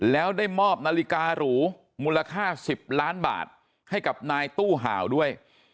แล้วได้มอบนาฬิการูมูลค่า๑๐ล้านบาทให้กับนายตู้ห่าวด้วย